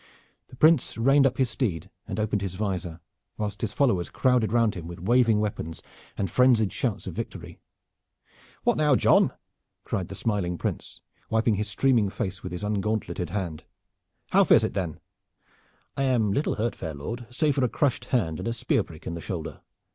The Prince reined up his steed and opened his visor, whilst his followers crowded round him with waving weapons and frenzied shouts of victory. "What now, John!" cried the smiling Prince, wiping his streaming face with his ungauntleted hand. "How fares it then?" "I am little hurt, fair lord, save for a crushed hand and a spear prick in the shoulder.